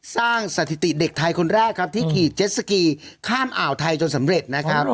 สถิติเด็กไทยคนแรกครับที่ขี่เจ็ดสกีข้ามอ่าวไทยจนสำเร็จนะครับ